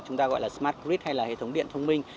chúng ta gọi là smart crick hay là hệ thống điện thông minh